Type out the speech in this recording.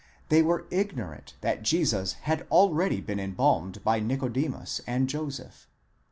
they were ignorant that Jesus had already been embalmed by Nicodemus and Joseph.!